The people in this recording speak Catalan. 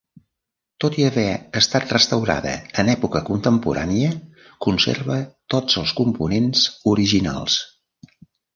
Tot i haver estat restaurada en època contemporània conserva tots els components originals.